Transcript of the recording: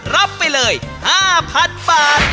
รับไปเลย๕๐๐๐บาท